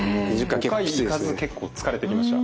５回にいかず結構疲れてきました。